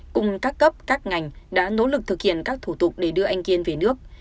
cùng các cấp các ngành đã nỗ lực thực hiện các thủ tục để đưa anh kiên về nước